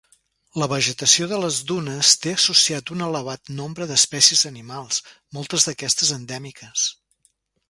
La vegetació de les dunes té associat un elevat nombre d'espècies animals, moltes d'aquestes endèmiques.